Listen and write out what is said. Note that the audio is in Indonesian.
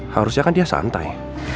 harusnya kan dia santai